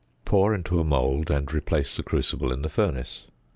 Pour into a mould, and replace the crucible in the furnace.